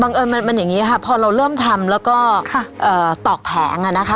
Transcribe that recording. บังเอิญมันมันอย่างงี้ฮะพอเราเริ่มทำแล้วก็ค่ะเอ่อตอกแผงอ่ะนะคะ